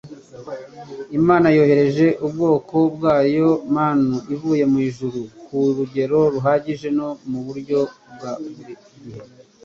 Imana yoherereje ubwoko bwayo manu ivuye mu ijuru ku rugero ruhagije no mu buryo bwa buri gihe.